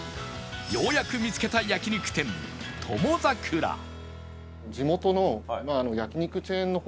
ようやく見つけた焼肉店友櫻へえ。